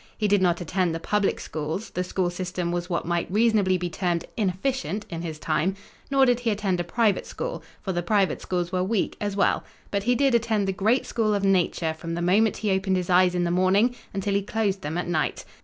He did not attend the public schools the school system was what might reasonably be termed inefficient in his time nor did he attend a private school, for the private schools were weak, as well, but he did attend the great school of Nature from the moment he opened his eyes in the morning until he closed them at night.